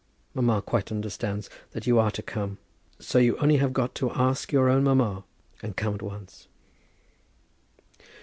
Mamma quite understands that you are to come; so you have only got to ask your own mamma, and come at once.